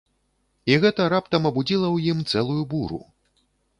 І гэта раптам абудзіла ў ім цэлую буру.